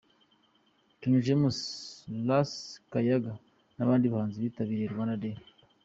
King James, Ras Kayaga n'abandi bahanzi bitabiriye Rwanda Day.